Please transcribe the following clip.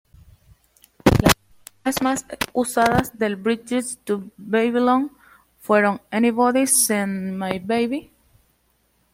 Las canciones más usadas del "Bridges to Babylon" fueron "Anybody Seen My Baby?